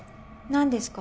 何ですか？